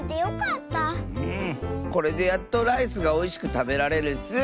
これでやっとライスがおいしくたべられるッス。